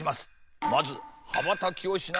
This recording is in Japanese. まずはばたきをしながら。